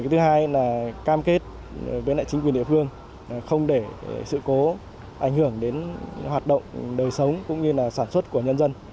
thứ hai là cam kết với chính quyền địa phương không để sự cố ảnh hưởng đến hoạt động đời sống cũng như là sản xuất của nhân dân